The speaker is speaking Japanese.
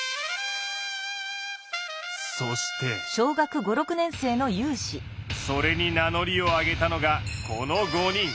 そしてそれに名乗りを上げたのがこの５人。